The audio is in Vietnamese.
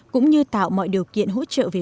cũng như tạo mọi điều kiện hỗ trợ về